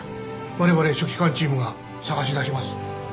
われわれ書記官チームが捜し出します。